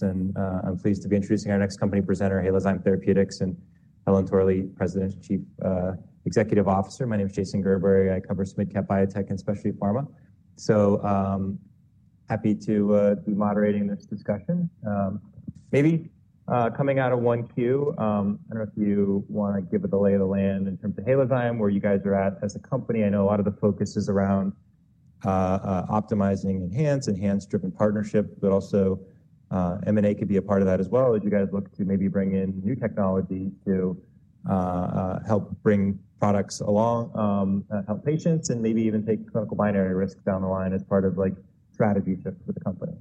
I'm pleased to be introducing our next company presenter, Halozyme Therapeutics, and Helen Torley, President and Chief Executive Officer. My name is Jason Gerber. I cover SMIDCap biotech and specialty pharma. So happy to be moderating this discussion. Maybe coming out of one Q, I don't know if you want to give it the lay of the land in terms of Halozyme, where you guys are at as a company. I know a lot of the focus is around optimizing ENHANZE-driven partnership, but also M&A could be a part of that as well. Would you guys look to maybe bring in new technology to help bring products along, help patients, and maybe even take clinical binary risk down the line as part of like strategy shift for the company?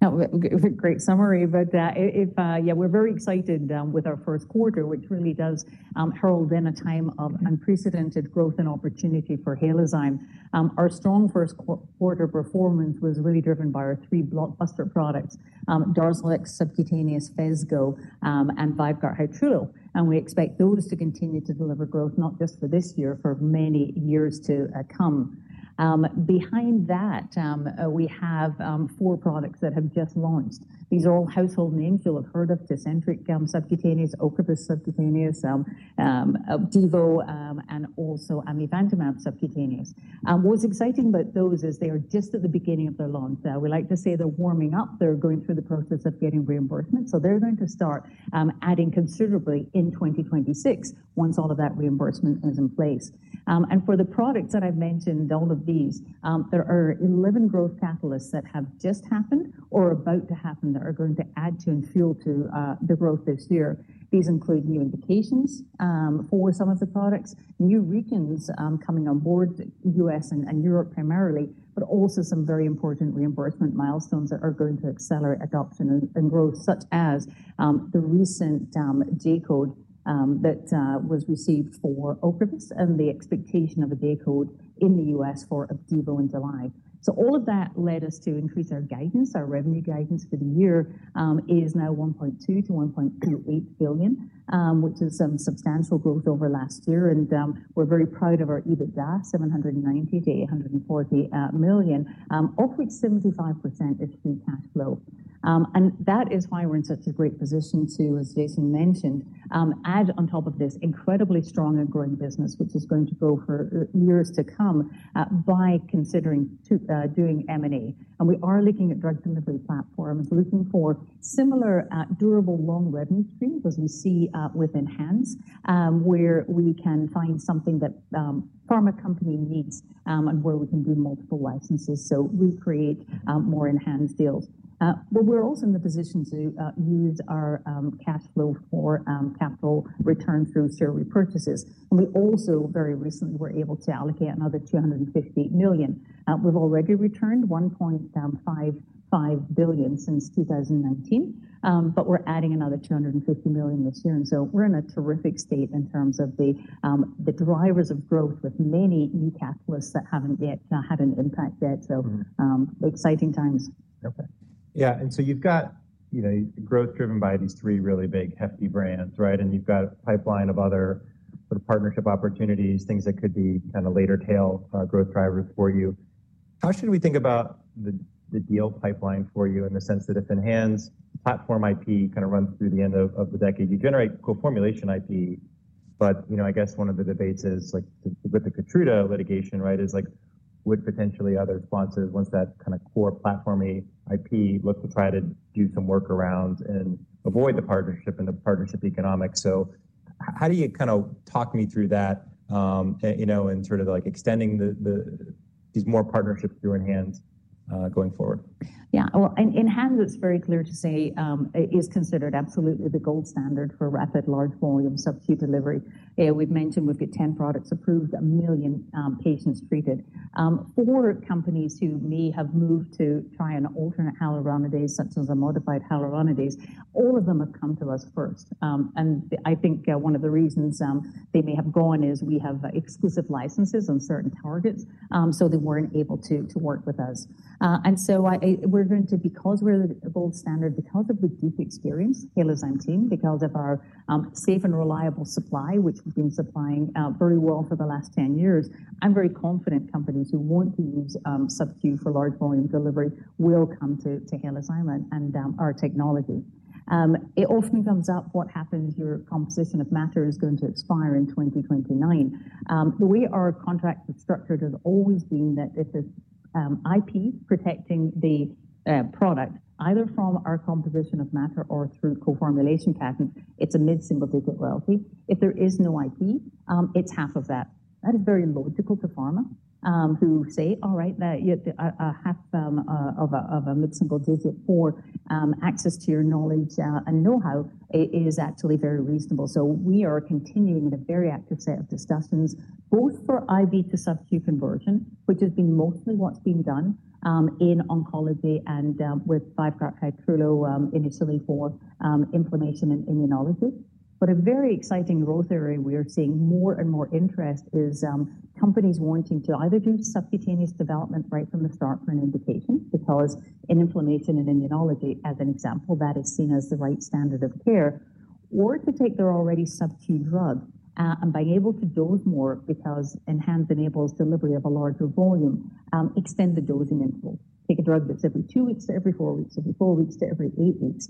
Now, great summary, but if, yeah, we're very excited with our first quarter, which really does herald then a time of unprecedented growth and opportunity for Halozyme. Our strong first quarter performance was really driven by our three blockbuster products, Darzalex subcutaneous, Phesgo, and Vyvgart Hytrulo. And we expect those to continue to deliver growth not just for this year, for many years to come. Behind that, we have four products that have just launched. These are all household names you'll have heard of, Tecentriq subcutaneous, Ocrevus subcutaneous, Phesgo, and also Amivantamab subcutaneous. What's exciting about those is they are just at the beginning of their launch. We like to say they're warming up. They're going through the process of getting reimbursement. So they're going to start adding considerably in 2026 once all of that reimbursement is in place. For the products that I've mentioned, all of these, there are 11 growth catalysts that have just happened or are about to happen that are going to add to and fuel the growth this year. These include new indications for some of the products, new regions coming on board, U.S. and Europe primarily, but also some very important reimbursement milestones that are going to accelerate adoption and growth, such as the recent day code that was received for Ocrevus and the expectation of a day code in the U.S. for Devo in July. All of that led us to increase our guidance. Our revenue guidance for the year is now $1.2 billion-$1.8 billion, which is some substantial growth over last year. We're very proud of our EBITDA, $790 million-$840 million, of which 75% is free cash flow. That is why we're in such a great position to, as Jason mentioned, add on top of this incredibly strong and growing business, which is going to go for years to come by considering doing M&A. We are looking at drug delivery platforms, looking for similar durable long revenue streams as we see with ENHANZE, where we can find something that a pharma company needs and where we can do multiple licenses so we create more ENHANZE deals. We're also in the position to use our cash flow for capital return through serial repurchases. We also very recently were able to allocate another $250 million. We've already returned $1.55 billion since 2019, but we're adding another $250 million this year. We are in a terrific state in terms of the drivers of growth with many new catalysts that have not yet had an impact yet. Exciting times. Okay. Yeah. You have got growth driven by these three really big hefty brands, right? You have got a pipeline of other sort of partnership opportunities, things that could be kind of later tail growth drivers for you. How should we think about the deal pipeline for you in the sense that if ENHANZE platform IP kind of runs through the end of the decade, you generate co-formulation IP. I guess one of the debates is like with the Keytruda litigation, right, is like would potentially other sponsors, once that kind of core platform IP, look to try to do some work around and avoid the partnership and the partnership economics. How do you kind of talk me through that and sort of like extending these more partnerships through ENHANZE going forward? Yeah. ENHANZE is very clear to say is considered absolutely the gold standard for rapid large volume subcutaneous delivery. We've mentioned we've got 10 products approved, a million patients treated. Four companies who may have moved to try an alternate hyaluronidase, such as a modified hyaluronidase, all of them have come to us first. I think one of the reasons they may have gone is we have exclusive licenses on certain targets, so they were not able to work with us. We are going to, because we are the gold standard, because of the deep experience, Halozyme team, because of our safe and reliable supply, which we've been supplying very well for the last 10 years, I'm very confident companies who want to use subcutaneous for large volume delivery will come to Halozyme and our technology. It often comes up what happens if your composition of matter is going to expire in 2029. The way our contract is structured has always been that if it is IP protecting the product, either from our composition of matter or through co-formulation patents, it is a mid-single digit royalty. If there is no IP, it is half of that. That is very logical to pharma who say, all right, half of a mid-single digit for access to your knowledge and know-how is actually very reasonable. We are continuing in a very active set of discussions both for IV to subcu conversion, which has been mostly what has been done in oncology and with Vyvgart Hytrulo initially for inflammation and immunology. A very exciting growth area we are seeing more and more interest in is companies wanting to either do subcutaneous development right from the start for an indication because in inflammation and immunology, as an example, that is seen as the right standard of care, or to take their already subcu drug and being able to dose more because ENHANZE enables delivery of a larger volume, extend the dosing interval, take a drug that's every two weeks to every four weeks, every four weeks to every eight weeks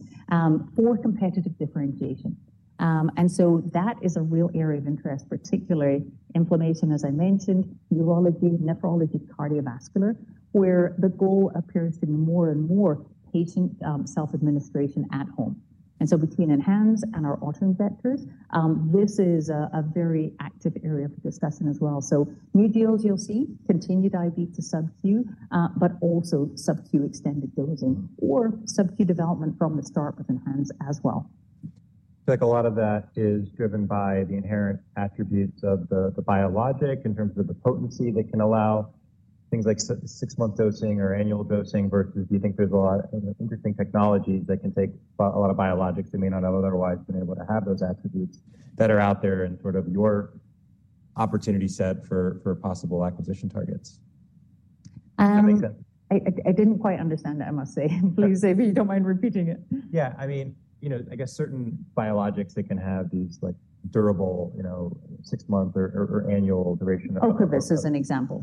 for competitive differentiation. That is a real area of interest, particularly inflammation, as I mentioned, urology, nephrology, cardiovascular, where the goal appears to be more and more patient self-administration at home. Between ENHANZE and our alternate vectors, this is a very active area of discussion as well. New deals you'll see, continued IV to Sub-Q, but also subcutaneous extended dosing or Sub-Q development from the start with ENHANZE as well. I feel like a lot of that is driven by the inherent attributes of the biologic in terms of the potency that can allow things like six-month dosing or annual dosing versus do you think there's a lot of interesting technologies that can take a lot of biologics that may not have otherwise been able to have those attributes that are out there and sort of your opportunity set for possible acquisition targets? I didn't quite understand that, I must say. Please say if you don't mind repeating it. Yeah. I mean, I guess certain biologics that can have these durable six-month or annual duration of. Ocrevus as an example.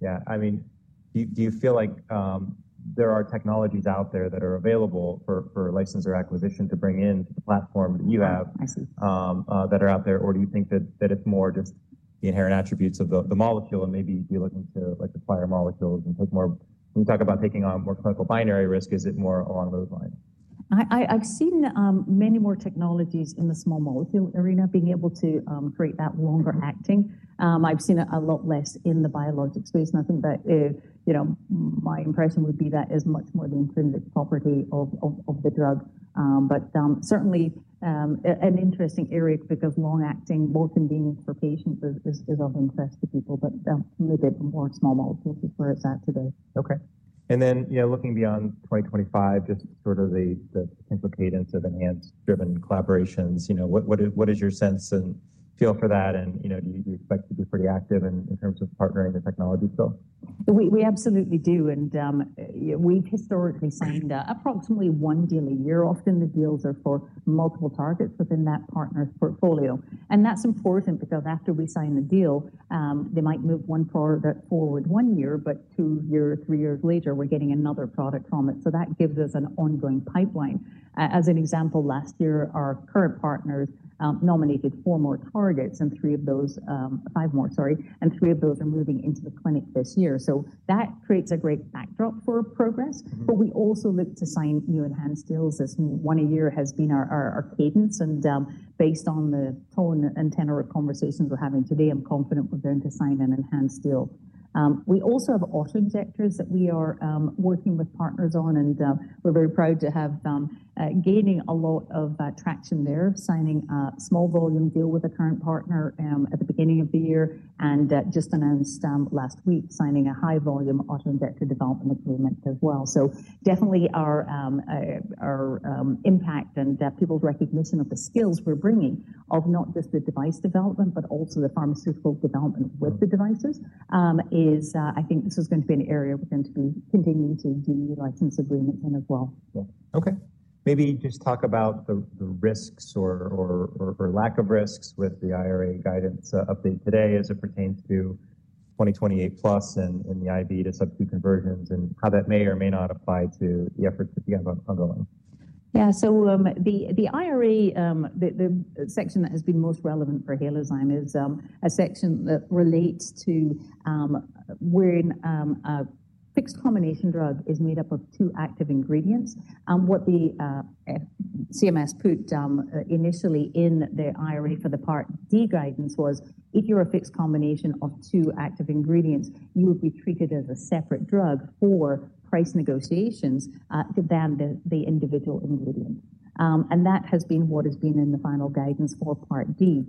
Yeah. I mean, do you feel like there are technologies out there that are available for license or acquisition to bring into the platform that you have that are out there, or do you think that it's more just the inherent attributes of the molecule and maybe be looking to acquire molecules and take more? When you talk about taking on more clinical binary risk, is it more along those lines? I've seen many more technologies in the small molecule arena being able to create that longer acting. I've seen a lot less in the biologic space. I think that my impression would be that is much more the intrinsic property of the drug. Certainly an interesting area because long-acting, more convenient for patients is of interest to people, but a little bit more small molecules is where it's at today. Okay. Looking beyond 2025, just sort of the potential cadence of ENHANZE-driven collaborations, what is your sense and feel for that? Do you expect to be pretty active in terms of partnering the technology still? We absolutely do. We've historically signed approximately one deal a year. Often the deals are for multiple targets within that partner's portfolio. That is important because after we sign the deal, they might move one product forward one year, but two years, three years later, we're getting another product from it. That gives us an ongoing pipeline. As an example, last year, our current partners nominated five more targets and three of those are moving into the clinic this year. That creates a great backdrop for progress. We also look to sign new enhanced deals as one a year has been our cadence. Based on the tone and tenor of conversations we're having today, I'm confident we're going to sign an enhanced deal. We also have auto injectors that we are working with partners on, and we are very proud to have gaining a lot of traction there, signing a small volume deal with a current partner at the beginning of the year, and just announced last week, signing a high volume auto injector development agreement as well. Definitely our impact and people's recognition of the skills we are bringing of not just the device development, but also the pharmaceutical development with the devices is, I think this is going to be an area we are going to be continuing to do new license agreements in as well. Okay. Maybe just talk about the risks or lack of risks with the IRA guidance update today as it pertains to 2028+ and the IV to subcutaneous conversions and how that may or may not apply to the efforts that you have ongoing. Yeah. The IRA, the section that has been most relevant for Halozyme is a section that relates to when a fixed combination drug is made up of two active ingredients. What the CMS put initially in the IRA for the Part D guidance was if you're a fixed combination of two active ingredients, you would be treated as a separate drug for price negotiations than the individual ingredient. That has been what has been in the final guidance for Part D.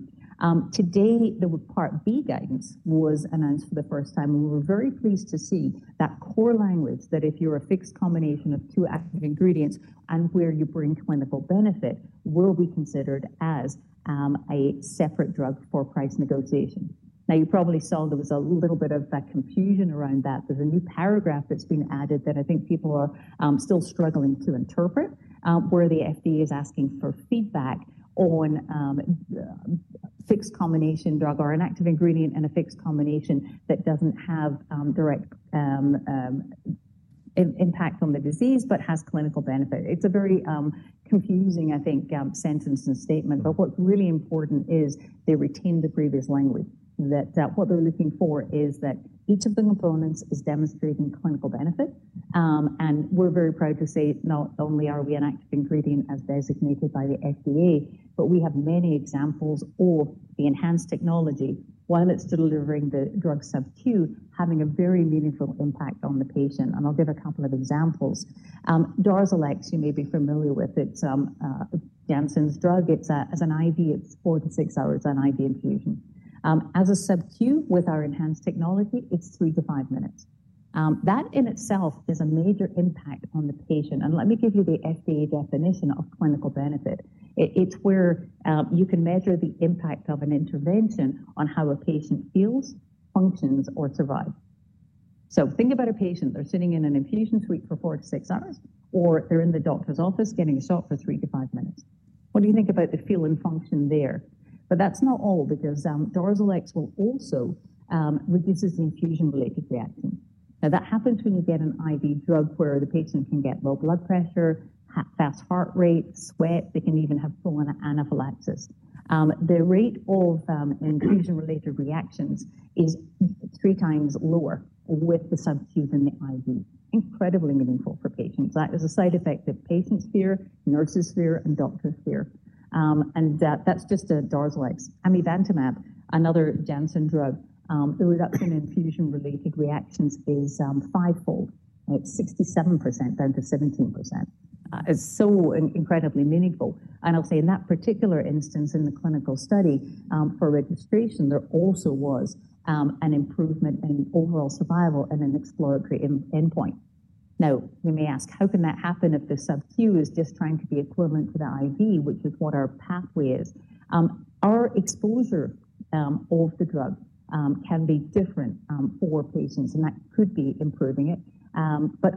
Today, the Part B guidance was announced for the first time. We were very pleased to see that core language that if you're a fixed combination of two active ingredients and where you bring clinical benefit, will be considered as a separate drug for price negotiation. Now, you probably saw there was a little bit of confusion around that. There's a new paragraph that's been added that I think people are still struggling to interpret where the FDA is asking for feedback on fixed combination drug or an active ingredient and a fixed combination that doesn't have direct impact on the disease, but has clinical benefit. It's a very confusing, I think, sentence and statement. What's really important is they retain the previous language that what they're looking for is that each of the components is demonstrating clinical benefit. We're very proud to say not only are we an active ingredient as designated by the FDA, but we have many examples of the ENHANZE technology while it's delivering the drug subcutaneous, having a very meaningful impact on the patient. I'll give a couple of examples. Darzalex, you may be familiar with it. It's Janssen's drug. It's an IV, it's four to six hours on IV infusion. As a Sub-Q with our ENHANZE technology, it's three to five minutes. That in itself is a major impact on the patient. Let me give you the FDA definition of clinical benefit. It's where you can measure the impact of an intervention on how a patient feels, functions, or survives. Think about a patient. They're sitting in an infusion suite for four to six hours, or they're in the doctor's office getting a shot for three to five minutes. What do you think about the feel and function there? That is not all because Darzalex will also reduce infusion-related reactions. That happens when you get an IV drug where the patient can get low blood pressure, fast heart rate, sweat. They can even have pulmonary anaphylaxis. The rate of infusion-related reactions is three times lower with the subcutaneous than the IV. Incredibly meaningful for patients. That is a side effect that patients fear, nurses fear, and doctors fear. That is just a Darzalex. Amivantamab, another Janssen drug, the reduction in infusion-related reactions is fivefold. It is 67% down to 17%. It is so incredibly meaningful. I will say in that particular instance in the clinical study for registration, there also was an improvement in overall survival and an exploratory endpoint. Now, you may ask, how can that happen if the Sub-Q is just trying to be equivalent to the IV, which is what our pathway is? Our exposure of the drug can be different for patients, and that could be improving it.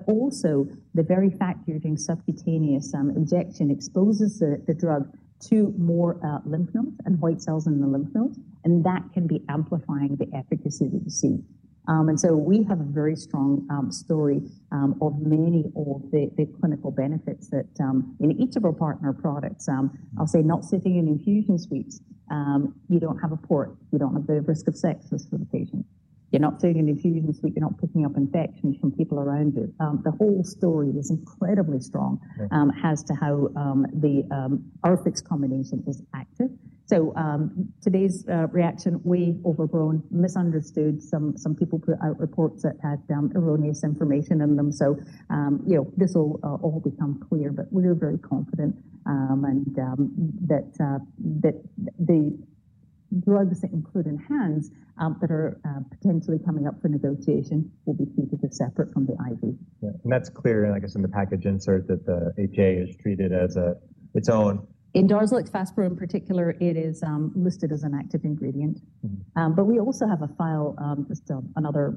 Also, the very fact you are doing subcutaneous injection exposes the drug to more lymph nodes and white cells in the lymph nodes, and that can be amplifying the efficacy that you see. We have a very strong story of many of the clinical benefits that in each of our partner products, I'll say not sitting in infusion suites, you don't have a port, you don't have the risk of sepsis for the patient. You're not sitting in infusion suite, you're not picking up infections from people around you. The whole story is incredibly strong as to how our fixed combination is active. Today's reaction, we overgrown, misunderstood. Some people put out reports that had erroneous information in them. This will all become clear, but we're very confident that the drugs that include ENHANZE that are potentially coming up for negotiation will be treated separate from the IV. That's clear, and I guess in the package insert that the HA is treated as its own. In Darzalex Faspro in particular, it is listed as an active ingredient. We also have a file, just another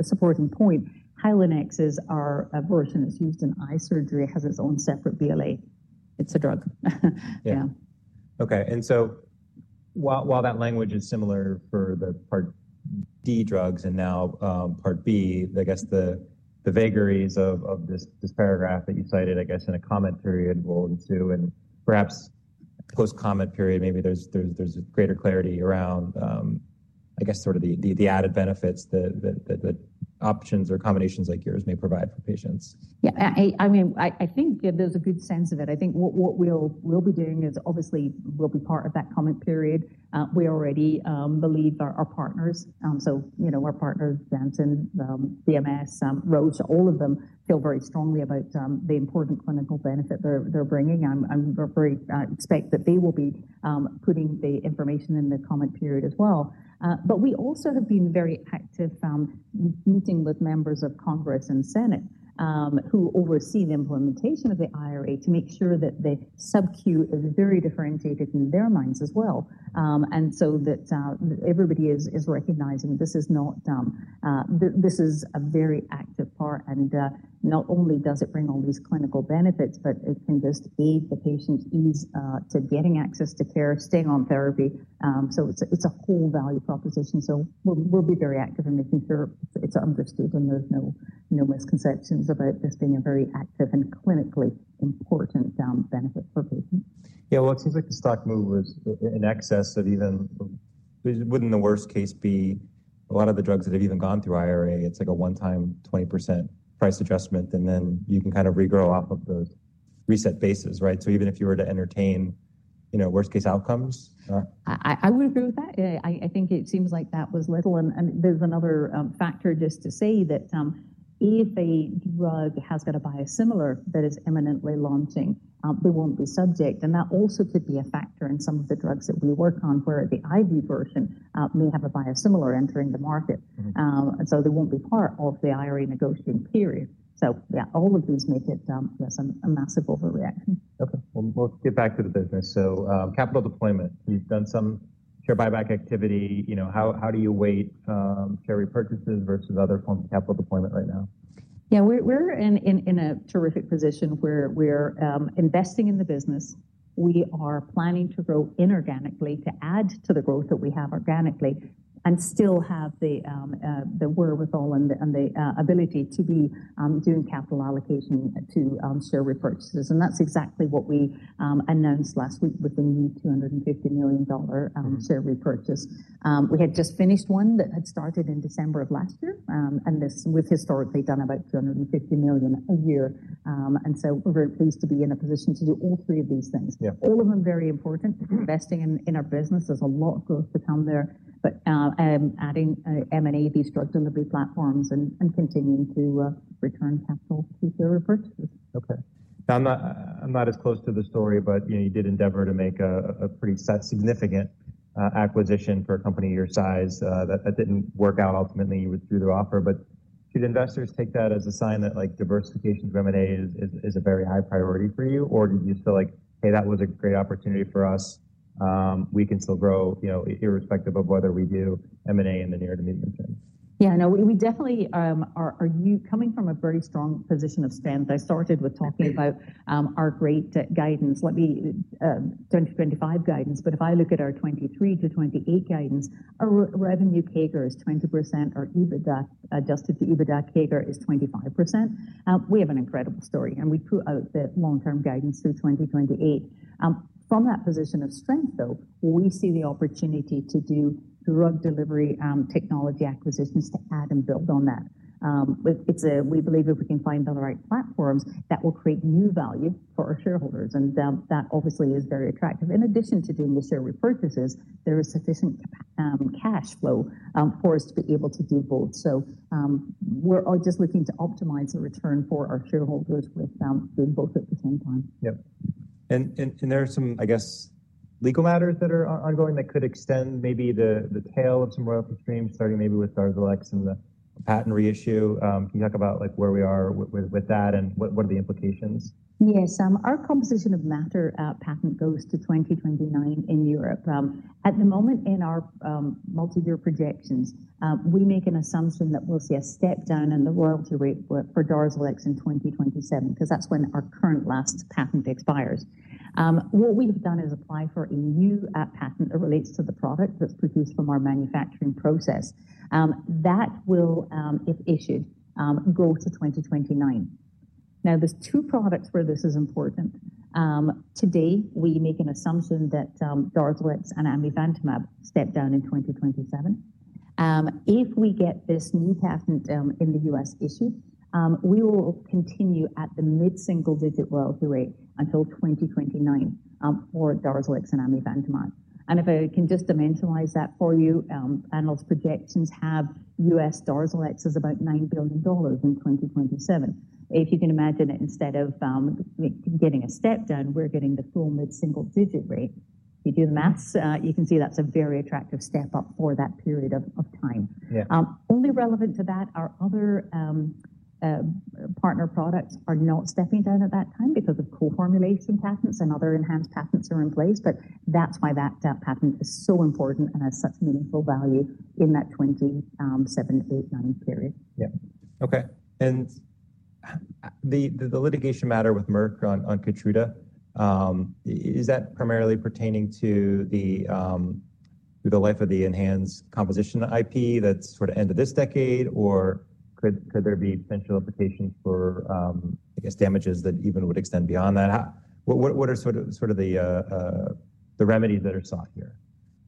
supporting point. Hylenex is our version. It is used in eye surgery. It has its own separate BLA. It is a drug. Yeah. Okay. While that language is similar for the Part D drugs and now Part B, I guess the vagaries of this paragraph that you cited, I guess in a comment period rolled into and perhaps post-comment period, maybe there is greater clarity around, I guess, the added benefits that options or combinations like yours may provide for patients. Yeah. I mean, I think there's a good sense of it. I think what we'll be doing is obviously will be part of that comment period. We already believe our partners. So our partners, Janssen, CMS, Roche, all of them feel very strongly about the important clinical benefit they're bringing. I expect that they will be putting the information in the comment period as well. We also have been very active meeting with members of Congress and Senate who oversee the implementation of the IRA to make sure that the Sub-Q is very differentiated in their minds as well. That everybody is recognizing this is not, this is a very active part. Not only does it bring all these clinical benefits, but it can just aid the patient's ease to getting access to care, staying on therapy. It's a whole value proposition. We'll be very active in making sure it's understood and there's no misconceptions about this being a very active and clinically important benefit for patients. Yeah. It seems like the stock move was in excess of even, would not the worst case be a lot of the drugs that have even gone through IRA, it's like a one-time 20% price adjustment, and then you can kind of regrow off of those reset bases, right? So even if you were to entertain worst-case outcomes. I would agree with that. I think it seems like that was little. There is another factor just to say that if a drug has got a biosimilar that is imminently launching, they will not be subject. That also could be a factor in some of the drugs that we work on where the IV version may have a biosimilar entering the market. They will not be part of the IRA negotiating period. Yeah, all of these make it a massive overreaction. Okay. Let's get back to the business. So capital deployment, you've done some share buyback activity. How do you weight share repurchases versus other forms of capital deployment right now? Yeah. We're in a terrific position where we're investing in the business. We are planning to grow inorganically to add to the growth that we have organically and still have the wherewithal and the ability to be doing capital allocation to share repurchases. That's exactly what we announced last week with the new $250 million share repurchase. We had just finished one that had started in December of last year, and we've historically done about $250 million a year. We're very pleased to be in a position to do all three of these things. All of them very important. Investing in our business, there's a lot of growth to come there, but adding M&A, these drug delivery platforms, and continuing to return capital to share repurchases. Okay. I'm not as close to the story, but you did endeavor to make a pretty significant acquisition for a company of your size that did not work out ultimately. You withdrew the offer. Should investors take that as a sign that diversification of M&A is a very high priority for you? Do you feel like, hey, that was a great opportunity for us. We can still grow irrespective of whether we do M&A in the near to medium term? Yeah. No, we definitely are coming from a very strong position of strength. I started with talking about our great guidance, 2025 guidance. If I look at our 2023 to 2028 guidance, our revenue CAGR is 20%. Our EBITDA, adjusted to EBITDA CAGR, is 25%. We have an incredible story, and we put out the long-term guidance through 2028. From that position of strength, though, we see the opportunity to do drug delivery technology acquisitions to add and build on that. We believe if we can find the right platforms, that will create new value for our shareholders. That obviously is very attractive. In addition to doing the share repurchases, there is sufficient cash flow for us to be able to do both. We are just looking to optimize the return for our shareholders with both at the same time. Yeah. There are some, I guess, legal matters that are ongoing that could extend maybe the tail of some royalty streams, starting maybe with Darzalex and the patent reissue. Can you talk about where we are with that and what are the implications? Yes. Our composition of matter patent goes to 2029 in Europe. At the moment, in our multi-year projections, we make an assumption that we'll see a step down in the royalty rate for Darzalex in 2027 because that's when our current last patent expires. What we've done is apply for a new patent that relates to the product that's produced from our manufacturing process. That will, if issued, go to 2029. Now, there's two products where this is important. Today, we make an assumption that Darzalex and amivantamab step down in 2027. If we get this new patent in the U.S. issued, we will continue at the mid-single-digit royalty rate until 2029 for Darzalex and amivantamab. If I can just dimensionalize that for you, analyst projections have U.S. Darzalex is about $9 billion in 2027. If you can imagine it, instead of getting a step down, we're getting the full mid-single-digit rate. If you do the math, you can see that's a very attractive step up for that period of time. Only relevant to that, our other partner products are not stepping down at that time because of co-formulation patents and other enhanced patents that are in place. That is why that patent is so important and has such meaningful value in that 2027, 2028, 2029 period. Yeah. Okay. The litigation matter with Merck on Keytruda, is that primarily pertaining to the life of the ENHANZE composition IP that's sort of end of this decade, or could there be potential implications for, I guess, damages that even would extend beyond that? What are sort of the remedies that are sought here?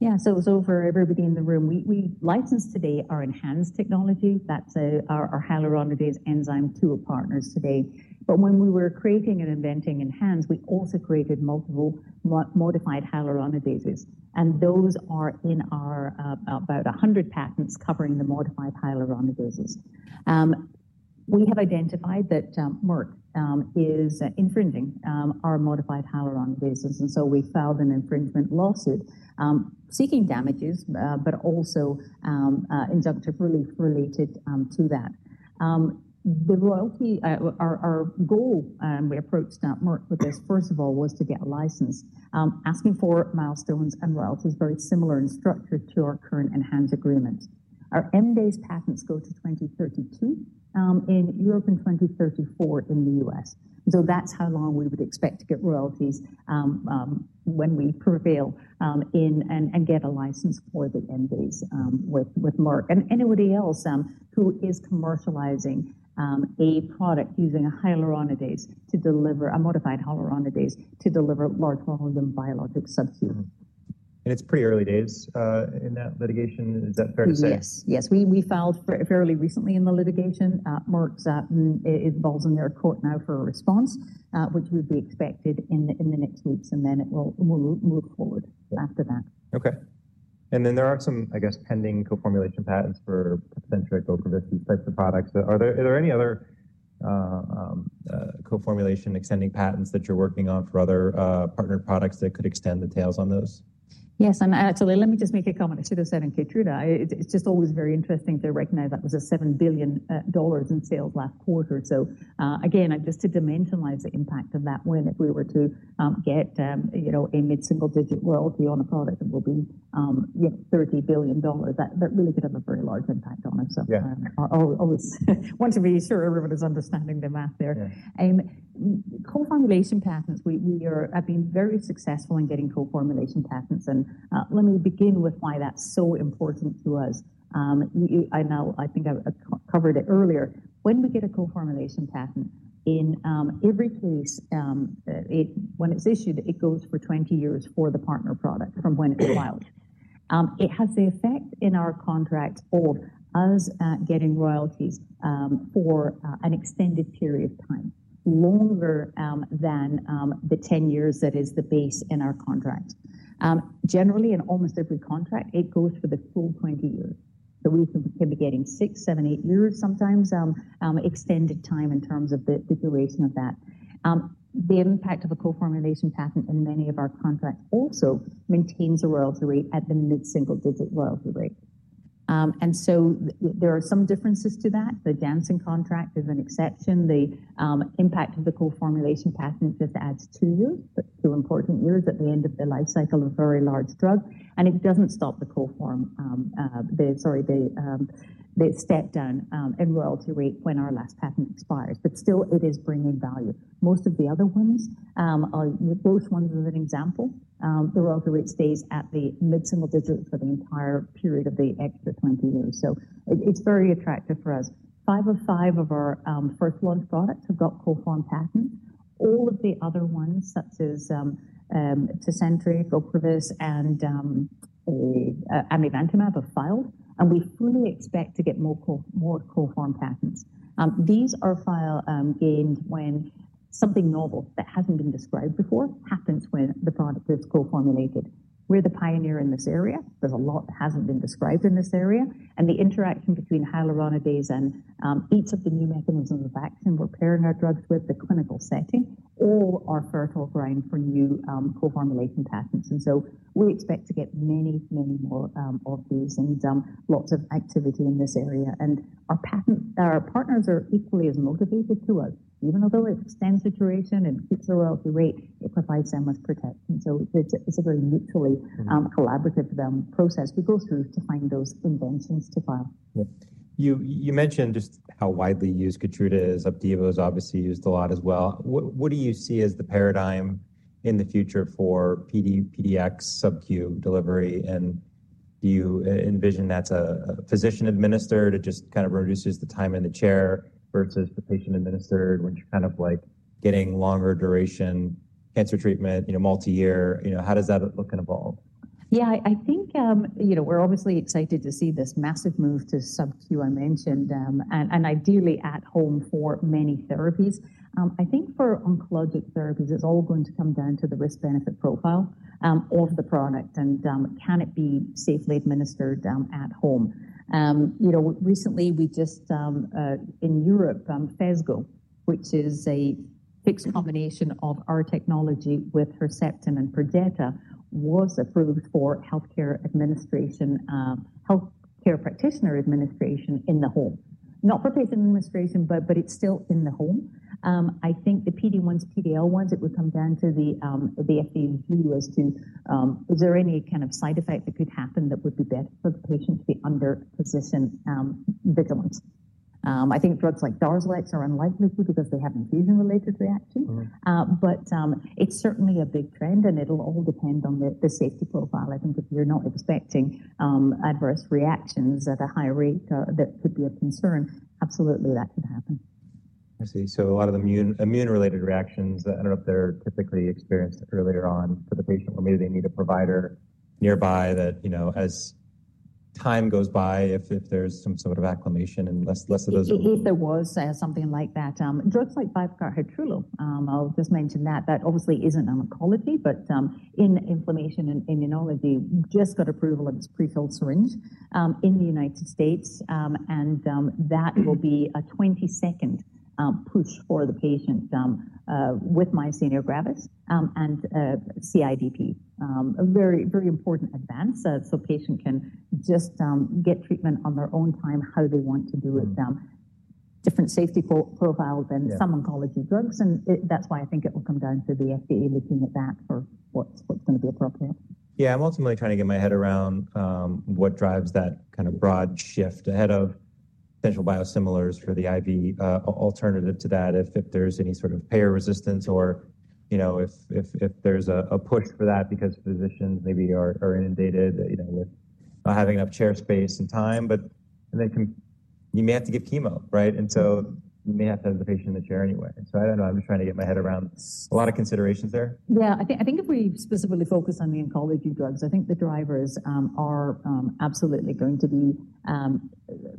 Yeah. So it's over everybody in the room. We license today our ENHANZE technology. That's our hyaluronidase enzyme to our partners today. But when we were creating and inventing ENHANZE, we also created multiple modified hyaluronidases. And those are in our about 100 patents covering the modified hyaluronidases. We have identified that Merck is infringing our modified hyaluronidases. And so we filed an infringement lawsuit seeking damages, but also injunctive relief related to that. The royalty, our goal, and we approached Merck with this, first of all, was to get license. Asking for milestones and royalties very similar in structure to our current ENHANZE agreement. Our MDASE patents go to 2032 in Europe and 2034 in the U.S. So that's how long we would expect to get royalties when we prevail and get a license for the MDASE with Merck. Anybody else who is commercializing a product using a hyaluronidase to deliver a modified hyaluronidase to deliver large volume biologic substitutes. It's pretty early days in that litigation. Is that fair to say? Yes. We filed fairly recently in the litigation. Merck is involved in their court now for a response, which would be expected in the next weeks, and then it will move forward after that. Okay. There are some, I guess, pending co-formulation patents for concentric or pervasive types of products. Are there any other co-formulation extending patents that you're working on for other partner products that could extend the tails on those? Yes. Actually, let me just make a comment. I should have said in Keytruda, it is just always very interesting to recognize that was a $7 billion in sales last quarter. Again, just to dimensionalize the impact of that, when if we were to get a mid-single-digit royalty on a product that will be $30 billion, that really could have a very large impact on us. I always want to be sure everyone is understanding the math there. Co-formulation patents, we have been very successful in getting co-formulation patents. Let me begin with why that is so important to us. I think I covered it earlier. When we get a co-formulation patent, in every case, when it is issued, it goes for 20 years for the partner product from when it is filed. It has the effect in our contract of us getting royalties for an extended period of time, longer than the 10 years that is the base in our contract. Generally, in almost every contract, it goes for the full 20 years. We can be getting six, seven, eight years, sometimes extended time in terms of the duration of that. The impact of a co-formulation patent in many of our contracts also maintains a royalty rate at the mid-single-digit royalty rate. There are some differences to that. The Janssen contract is an exception. The impact of the co-formulation patent just adds two years, two important years at the end of the life cycle of a very large drug. It does not stop the co-form, sorry, the step down in royalty rate when our last patent expires. Still, it is bringing value. Most of the other ones, most ones as an example, the royalty rate stays at the mid-single digit for the entire period of the extra 20 years. It is very attractive for us. Five of our first launch products have got co-form patents. All of the other ones, such as Tecentriq, Ocrevus, and amivantamab, have filed. We fully expect to get more co-form patents. These are filed when something novel that has not been described before happens when the product is co-formulated. We are the pioneer in this area. There is a lot that has not been described in this area. The interaction between hyaluronidase and each of the new mechanisms of action we are pairing our drugs with, the clinical setting, all are fertile ground for new co-formulation patents. We expect to get many, many more of these and lots of activity in this area. Our partners are equally as motivated to us. Even though it extends the duration and keeps the royalty rate, it provides them with protection. It is a very mutually collaborative process we go through to find those inventions to file. Yeah. You mentioned just how widely used Keytruda is. Opdivo is obviously used a lot as well. What do you see as the paradigm in the future for PD-1 Sub-Q delivery? And do you envision that's a physician administered? It just kind of reduces the time in the chair versus the patient administered when you're kind of like getting longer duration cancer treatment, multi-year. How does that look and evolve? Yeah. I think we're obviously excited to see this massive move to Sub-Q, I mentioned, and ideally at home for many therapies. I think for oncologic therapies, it's all going to come down to the risk-benefit profile of the product and can it be safely administered at home. Recently, we just in Europe, Phesgo, which is a mixed combination of our technology with Herceptin and Perjeta, was approved for healthcare administration, healthcare practitioner administration in the home. Not for patient administration, but it's still in the home. I think the PD-1s, PD-L1s, it would come down to the FDA as to is there any kind of side effect that could happen that would be better for the patient to be under physician vigilance. I think drugs like Darzalex are unlikely to because they have infusion-related reactions. It is certainly a big trend, and it will all depend on the safety profile. I think if you are not expecting adverse reactions at a higher rate that could be a concern, absolutely that could happen. I see. So a lot of the immune-related reactions, I don't know if they're typically experienced earlier on for the patient, or maybe they need a provider nearby that as time goes by, if there's some sort of acclimation and less of those. If there was something like that. Drugs like Vyvgart Hytrulo, I'll just mention that, that obviously is not oncology, but in inflammation and immunology, we just got approval of its prefilled syringe in the United States. That will be a 20-second push for the patient with myasthenia gravis and CIDP. A very, very important advance. Patient can just get treatment on their own time, how they want to do it, different safety profiles than some oncology drugs. I think it will come down to the FDA looking at that for what's going to be appropriate. Yeah. I'm ultimately trying to get my head around what drives that kind of broad shift ahead of potential biosimilars for the IV alternative to that, if there's any sort of payer resistance or if there's a push for that because physicians maybe are inundated with not having enough chair space and time, but then you may have to give chemo, right? You may have to have the patient in the chair anyway. I don't know. I'm just trying to get my head around a lot of considerations there. Yeah. I think if we specifically focus on the oncology drugs, I think the drivers are absolutely going to be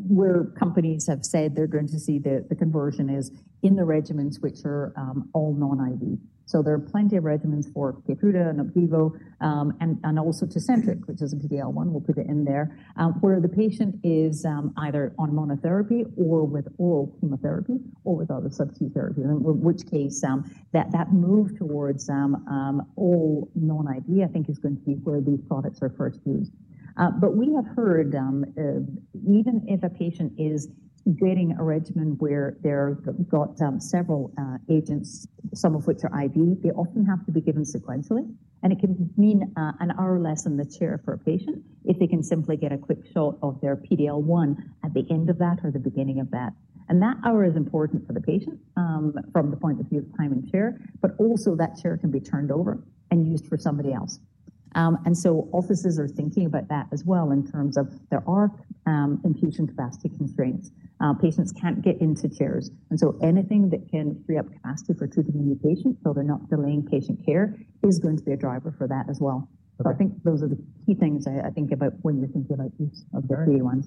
where companies have said they're going to see the conversion is in the regimens which are all non-IV. There are plenty of regimens for Keytruda and Opdivo and also Tecentriq, which is a PD-L1. We'll put it in there. Where the patient is either on monotherapy or with oral chemotherapy or with other subcutaneous therapy, in which case that move towards all non-IV, I think, is going to be where these products are first used. We have heard even if a patient is getting a regimen where they've got several agents, some of which are IV, they often have to be given sequentially. It can mean an hour less in the chair for a patient if they can simply get a quick shot of their PD-L1 at the end of that or the beginning of that. That hour is important for the patient from the point of view of time in chair, but also that chair can be turned over and used for somebody else. Offices are thinking about that as well in terms of there are infusion capacity constraints. Patients cannot get into chairs. Anything that can free up capacity for treating a new patient so they are not delaying patient care is going to be a driver for that as well. I think those are the key things I think about when you are thinking about use of the PD-1s.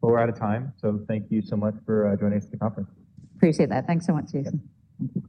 We're out of time. So thank you so much for joining us at the conference. Appreciate that. Thanks so much, Jason.Thank you.